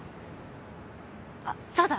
あっそうだ！